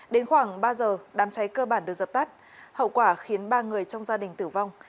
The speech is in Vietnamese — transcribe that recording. đến khoảng ba giờ đám cháy cơ bản được dập tắt hậu quả khiến ba người trong gia đình tử vong